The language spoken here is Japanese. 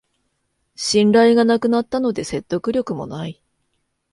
信頼がなくなったので説得力もない